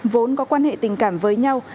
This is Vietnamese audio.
vốn có quan hệ tình cảm với nhau